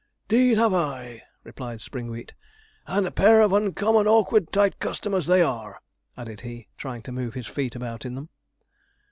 ''Deed have I!' replied Springwheat; 'and a pair of uncommon awkward tight customers they are,' added he, trying to move his feet about in them.